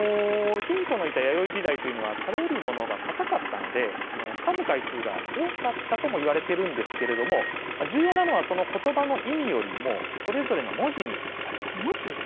卑弥呼のいた弥生時代は食べるものがかたかったのでかむ回数が多かったともいわれているんですけれども重要なのはそのことばの意味よりもそれぞれの文字にあります。